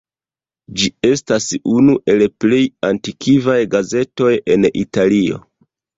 Ĝi estas unu el plej antikvaj gazetoj en Italio.